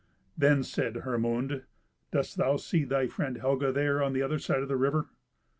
Then said Hermund, "Dost thou see thy friend Helga there on the other side of the river?"